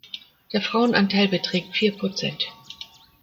Der Frauenanteil beträgt vier Prozent.